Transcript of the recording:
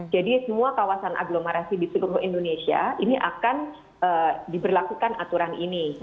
jadi semua kawasan agglomerasi di seluruh indonesia ini akan diberlakukan aturan ini